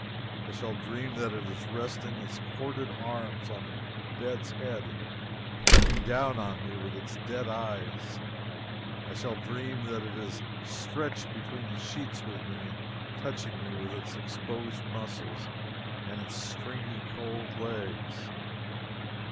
I shall dream that it is resting its corded arms on the bed's head and looking down on me with its dead eyes; I shall dream that it is stretched between the sheets with me and touching me with its exposed muscles and its stringy cold legs.